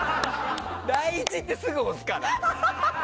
第１ってすぐ押すから。